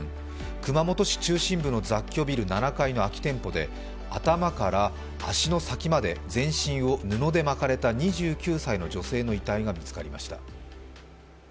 熊本市中心部の雑居ビル７階の空き店舗で頭から足の先まで全身を布で巻かれた２９歳の女性の遺体が見つかりました。